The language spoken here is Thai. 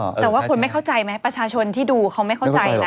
แต่ว่าคุณไม่เข้าใจไหมประชาชนที่ดูเขาไม่เข้าใจนะ